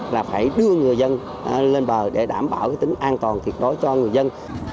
là phải đưa người dân lên bờ để đảm bảo cái tính an toàn thiệt đối cho người dân